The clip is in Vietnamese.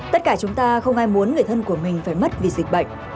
tất cả chúng ta không ai muốn người thân của mình phải mất vì dịch bệnh